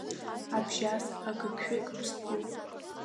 Абжьас агыгшәыг ԥстәуп.